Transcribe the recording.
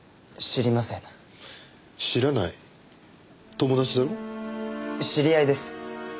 知り合いです。